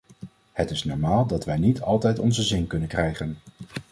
Het is normaal dat wij niet altijd onze zin kunnen krijgen.